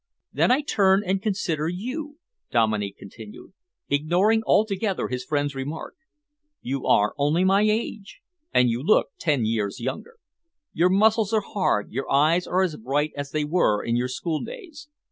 "Then I turn and consider you," Dominey continued, ignoring altogether his friend's remark. "You are only my age, and you look ten years younger. Your muscles are hard, your eyes are as bright as they were in your school days.